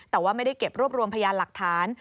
แต่ว่าไม่ได้เก็บรวบรวมพยานหลักฐาน